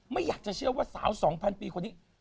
ไม่อยากจะเชื่อว่าสาว๒๐๐ปีคนนี้